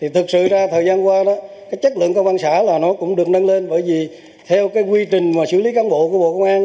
thực sự ra thời gian qua chất lượng công an xã cũng được nâng lên bởi vì theo quy trình xử lý cán bộ của bộ công an